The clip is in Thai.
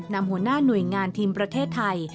นำหัวหน้าหน่วยงานทีมประเทศไทย